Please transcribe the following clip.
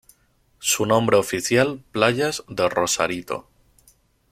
Su nombre oficial Playas de Rosarito.